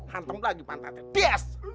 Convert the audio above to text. hantam lagi pantatnya bias